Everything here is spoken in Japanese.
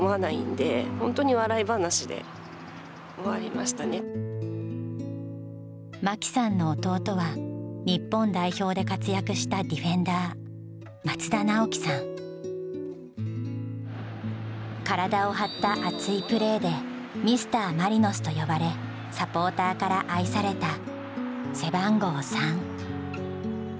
まさか真紀さんの弟は日本代表で活躍したディフェンダー体を張った熱いプレーで「ミスターマリノス」と呼ばれサポーターから愛された背番号３。